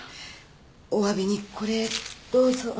おわびにこれどうぞ。